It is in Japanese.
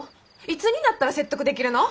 いつになったら説得できるの？